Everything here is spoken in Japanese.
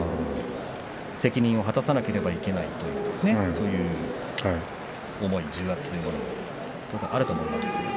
責任を果たさなければいけないという、そういう重圧も当然あると思うんですが。